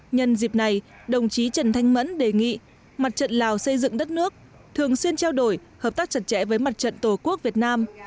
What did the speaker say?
nhân dịp này đồng chí trần thanh mẫn đề nghị mặt trận lào xây dựng đất nước thường xuyên trao đổi hợp tác chặt chẽ với mặt trận tổ quốc việt nam